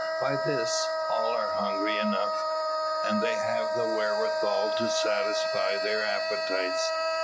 By this, all are hungry enough, and they have the wherewithal to satisfy their appetites.